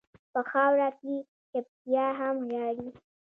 په خاوره کې چپتيا هم ژاړي.